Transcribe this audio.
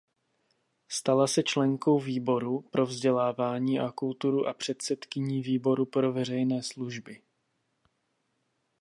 Stala se členkou výboru pro vzdělávání a kulturu a předsedkyní výboru pro veřejné služby.